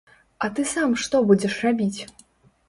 А ты сам што будзеш рабіць?